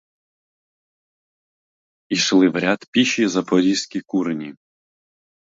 Ішли вряд піші запорозькі курені.